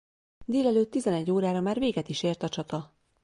Délelőtt tizenegy órára már véget is ért a csata.